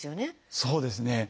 そうですね。